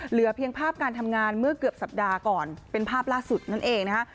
เหลือเพียงภาพการทำงานเมื่อเกือบสัปดาห์ก่อนเป็นภาพล่าสุดนั่นเองนะฮะ